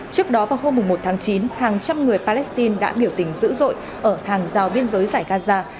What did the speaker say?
trước đó vào hôm một tháng chín hàng trăm người palestine đã biểu tình dữ dội ở hàng rào biên giới giải gaza